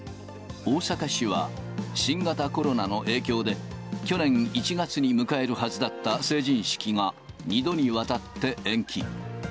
大阪市は、新型コロナの影響で、去年１月に迎えるはずだった成人式が２度にわたって延期。